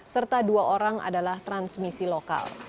serta dua orang adalah transmisi lokal